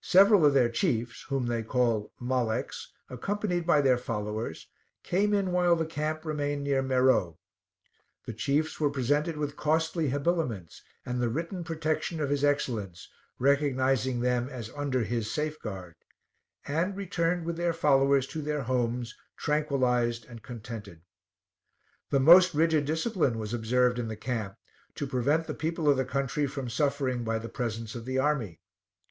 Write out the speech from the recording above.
Several of their chiefs, whom they call "Maleks" accompanied by their followers, came in while the camp remained near Meroe. The chiefs were presented with costly habiliments, and the written protection of his Excellence, recognizing them as under his safeguard; and returned with their followers to their homes, tranquillized and contented. The most rigid discipline was observed in the camp, to prevent the people of the country from suffering by the presence of the army.